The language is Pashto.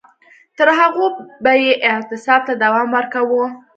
تر هغو به یې اعتصاب ته دوام ورکاوه.